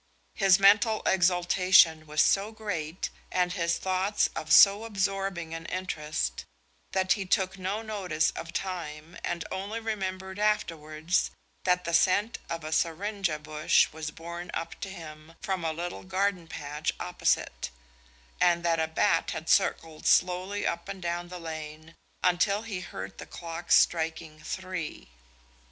His mental exaltation was so great and his thoughts of so absorbing an interest that he took no notice of time, and only remembered afterwards that the scent of a syringa bush was borne up to him from a little garden patch opposite, and that a bat had circled slowly up and down the lane, until he heard the clocks striking three.